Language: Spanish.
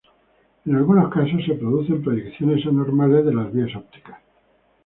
En algunos casos se producen proyecciones anormales de las vías ópticas.